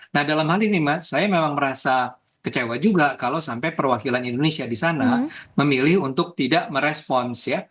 nah dalam hal ini mas saya memang merasa kecewa juga kalau sampai perwakilan indonesia di sana memilih untuk tidak merespons ya